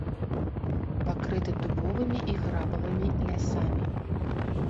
Пакрыты дубовымі і грабавымі лясамі.